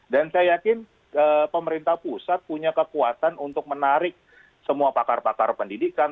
saya yakin pemerintah pusat punya kekuatan untuk menarik semua pakar pakar pendidikan